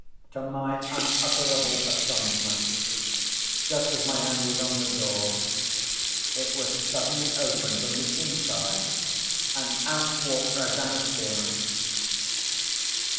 To my unutterable astonishment, just as my hand was on the door, it was suddenly opened from the inside, and out walked Rosanna Spearman!